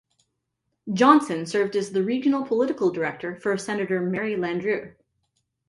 Johnson served as the regional political director for Senator Mary Landrieu.